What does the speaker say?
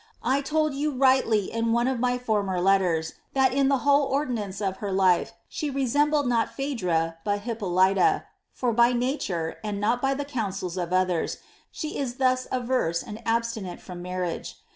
I told YOU rierhtlv in one of mv former letters, that in the whole ordi nance of her life, she resembled not Phaedra but Hippolyta, for by na (ore, and not by the counsels of others, she ia thus averse and abstinent from marriage.